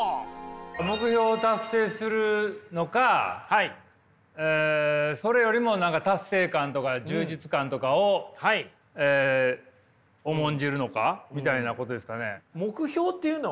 目標達成するのかそれよりも達成感とか充実感とかを重んじるのかみたいなことですかね。